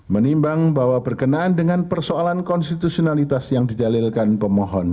menimbang bahwa berkenaan dengan persoalan konstitusionalitas yang didalilkan pemohon